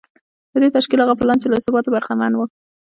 د دې تشکیل هغه پلان چې له ثباته برخمن و